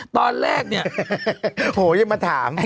ตอนแรกเนี่ยโหยิ่งมาถาม